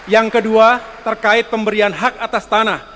yang kedua terkait pemberian hak atas tanah